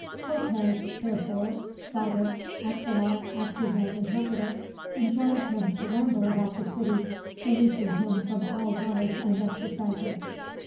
Cortez therefore, Father Aquilar acting as interpreter, enjoined him to ramble about the city, releasing him from all guards and exercises.